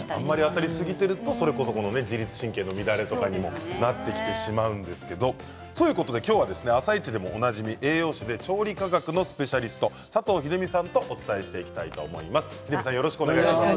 当たりすぎると自律神経の乱れとかになってしまいますけれどもということで今日は「あさイチ」でもおなじみ栄養士で調理科学のスペシャリスト佐藤秀美さんとお伝えしていきたいと思います。